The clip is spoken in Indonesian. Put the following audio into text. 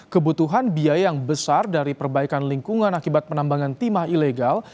kebutuhan biaya yang besar dari perbaikan lingkungan akibat penambangan timah ilegal